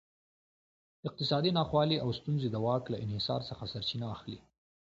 اقتصادي ناخوالې او ستونزې د واک له انحصار څخه سرچینه اخلي.